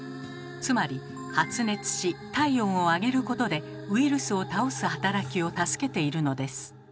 つまり発熱し体温を上げることでウイルスを倒す働きを助けているのです。